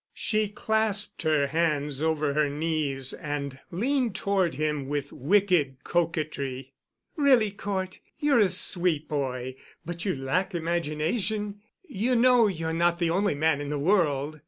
She clasped her hands over her knees and leaned toward him with wicked coquetry. "Really, Cort, you're a sweet boy—but you lack imagination. You know you're not the only man in the world.